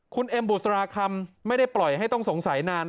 คุณเอ็มบุษราคำไม่ได้ปล่อยให้ต้องสงสัยนาน